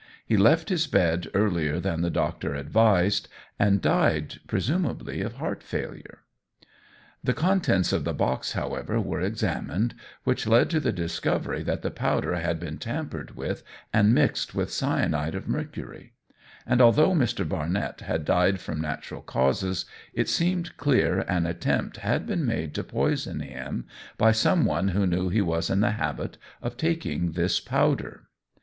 He left his bed earlier than the doctor advised, and died presumably of heart failure. The contents of the box, however, were examined, which led to the discovery that the powder had been tampered with and mixed with cyanide of mercury; and although Mr. Barnett had died from natural causes, it seemed clear an attempt had been made to poison him by some one who knew he was in the habit of taking this powder.